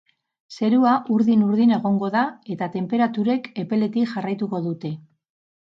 Zerua urdin-urdin egongo da, eta tenperaturek epeletik jarraituko dute.